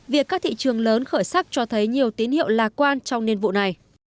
việc các thị trường lớn khởi sắc cho thấy nhiều tín hiệu lạc quan trong niên vụ này